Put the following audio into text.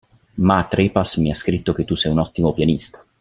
Ma Trepas mi ha scritto che tu sei un ottimo pianista.